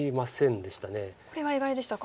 これは意外でしたか。